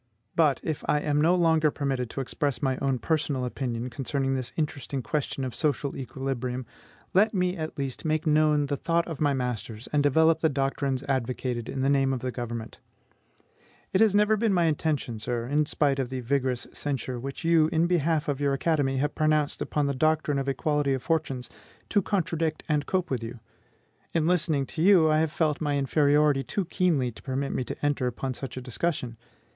But, if I am no longer permitted to express my own personal opinion concerning this interesting question of social equilibrium, let me, at least, make known the thought of my masters, and develop the doctrines advocated in the name of the government. It never has been my intention, sir, in spite of the vigorous censure which you, in behalf of your academy, have pronounced upon the doctrine of equality of fortunes, to contradict and cope with you. In listening to you, I have felt my inferiority too keenly to permit me to enter upon such a discussion.